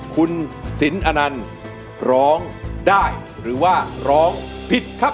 คุณสินอนันต์ร้องได้หรือว่าร้องผิดครับ